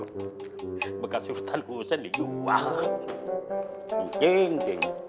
bekas bekas hurusan husa najaff agti